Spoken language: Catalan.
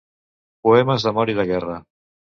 Poemes d'amor i de guerra.